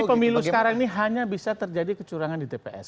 pemilu sekarang ini hanya bisa terjadi kecurangan di tps